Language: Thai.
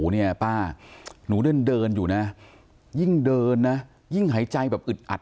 เนี่ยป้าหนูเดินเดินอยู่นะยิ่งเดินนะยิ่งหายใจแบบอึดอัด